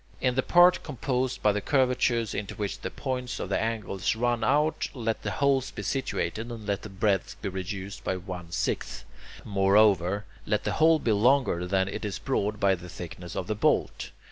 In the part composed by the curvatures into which the points of the angles run out, let the holes be situated, and let the breadth be reduced by one sixth; moreover, let the hole be longer than it is broad by the thickness of the bolt.